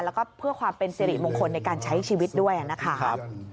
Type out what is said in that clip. แล้วก็เพื่อความเป็นสิริมงคลในการใช้ชีวิตด้วยนะคะ